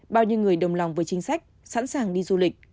bao nhiêu người đồng lòng với chính sách sẵn sàng đi du lịch